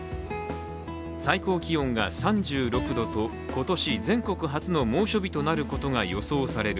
最高気温が３６度と、今年全国初の猛暑日となることが予想される